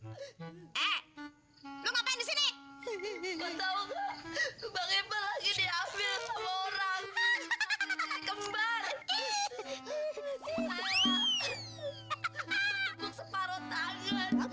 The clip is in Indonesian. hai eh lu ngapain di sini kau tahu banget lagi diambil orang hahaha kembar